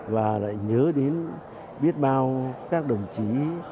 và lại nhớ đến biết bao các đồng chí